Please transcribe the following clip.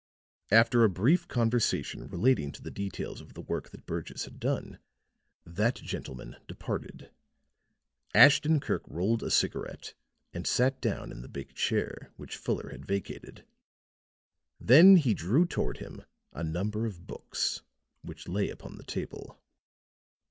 After a brief conversation relating to the details of the work that Burgess had done, that gentleman departed. Ashton Kirk rolled a cigarette and sat down in the big chair which Fuller had vacated. Then he drew toward him a number of books which lay upon the table.